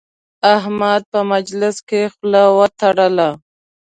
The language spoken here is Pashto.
احمد په مجلس کې خول وتړله.